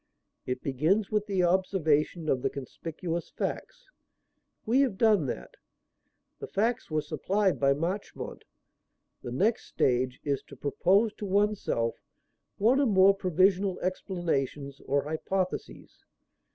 It begins with the observation of the conspicuous facts. We have done that. The facts were supplied by Marchmont. The next stage is to propose to oneself one or more provisional explanations or hypotheses.